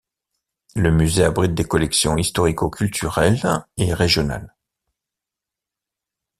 Le musée abrite des collections historico-culturelles et régionales.